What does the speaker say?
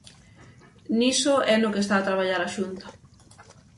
Niso é no que está a traballar a Xunta.